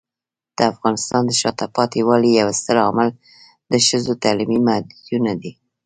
د افغانستان د شاته پاتې والي یو ستر عامل د ښځو تعلیمي محدودیتونه دي.